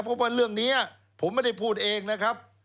เพราะว่าเรื่องนี้ผมไม่ได้พูดเองนะครับ